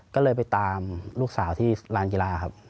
ก็เลยไปตามลูกสาวที่ร้านกีฬาครับ